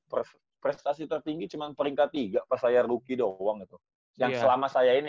persis prestasi tertinggi cuman peringkat tiga percaya ruki doang itu yang selama saya ini